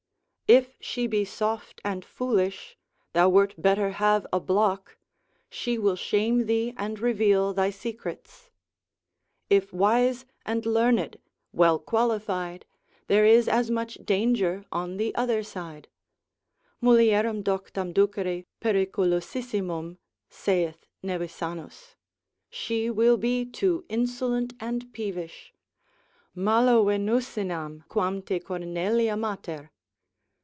If she be soft and foolish, thou wert better have a block, she will shame thee and reveal thy secrets; if wise and learned, well qualified, there is as much danger on the other side, mulierem doctam ducere periculosissimum, saith Nevisanus, she will be too insolent and peevish, Malo Venusinam quam te Cornelia mater.